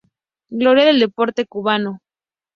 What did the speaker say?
Gloria del Deporte Cubano.